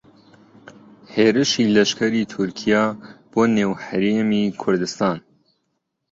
هێرشی لەشکریی تورکیا بۆ نێو هەرێمی کوردستان